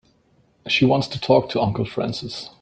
She wants to talk to Uncle Francis.